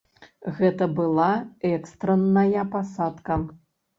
Гэта была экстранная пасадка.